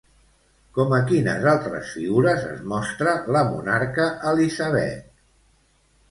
Com a quines altres figures es mostra la monarca Elisabet?